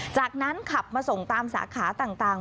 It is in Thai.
จากนั้นขับมาส่งตามสาขาต่าง